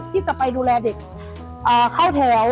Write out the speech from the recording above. ที่จะไปดูแลเด็กเข้าแถว